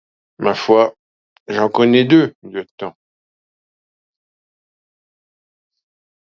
Ma foi, j’en connais deux, lieutenant